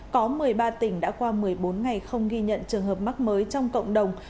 có một mươi ba tỉnh đã qua một mươi bốn ngày không ghi nhận trường hợp mắc mới trong cộng đồng